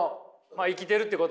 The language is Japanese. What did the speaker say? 生きてるってことはね。